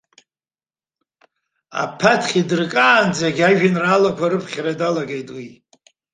Аԥаҭхь идыркаанӡагьы ажәеинраалақәа рыԥхьара далагеит уи.